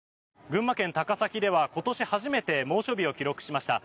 群馬県高崎では今年初めて猛暑日を記録しました。